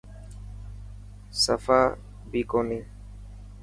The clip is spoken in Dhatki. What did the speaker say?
سفا بي ڪوني.